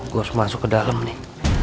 gue harus masuk ke dalam nih